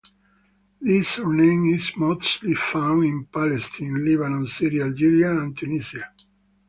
This surname is mostly found in Palestine, Lebanon, Syria, Algeria, and Tunisia.